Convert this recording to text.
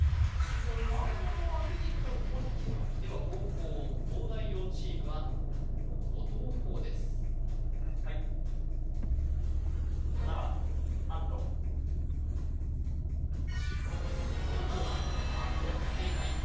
難問を当てにいくかと思いきやでは後攻東大王チームは後藤弘ですはい７番はんと正解